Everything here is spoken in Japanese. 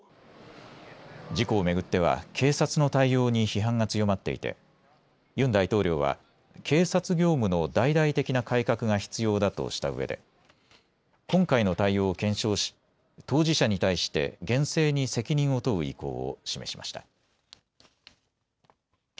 事故を巡っては警察の対応に批判が強まっていてユン大統領は警察業務の大々的な改革が必要だとしたうえで今回の対応を検証し当事者に対して厳正に責任を問う意向を示しました。